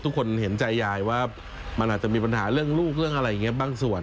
ทุกคนเห็นใจยายว่ามันอาจจะมีปัญหาเรื่องลูกเรื่องอะไรอย่างนี้บางส่วน